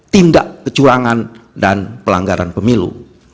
tindak kecurangan dan pelanggaran pemilu